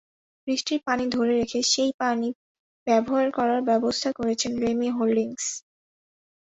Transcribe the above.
বৃষ্টির পানি ধরে রেখে সেই পানি ব্যবহার করার ব্যবস্থা করেছে রেমি হোল্ডিংস।